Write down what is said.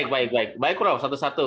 baik baik prof satu satu